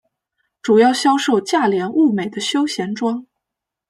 主要销售价廉物美的休闲装。